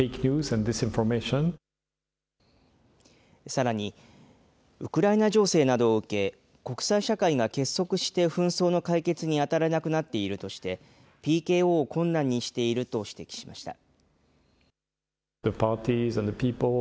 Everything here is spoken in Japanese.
さらに、ウクライナ情勢などを受け、国際社会が結束して紛争の解決に当たれなくなっているとして、ＰＫＯを困難にしていると指摘しました。